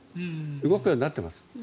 動くようになっています。